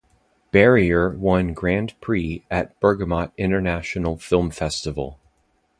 "Barrier" won Grand Prix at Bergamo International Film Festival.